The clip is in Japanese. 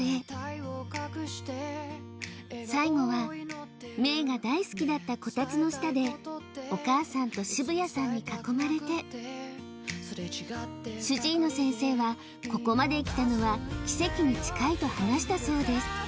最後はメイが大好きだったこたつの下でお母さんと渋谷さんに囲まれて主治医の先生はここまで生きたのは奇跡に近いと話したそうです